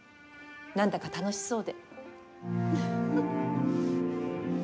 何だか楽しそうで。